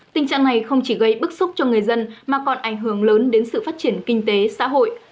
tình trạng này không chỉ gây bức xúc cho người dân mà còn ảnh hưởng lớn đến sự phát triển kinh tế xã hội